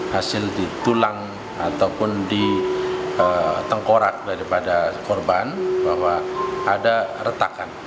hasil di tulang ataupun di tengkorak daripada korban bahwa ada retakan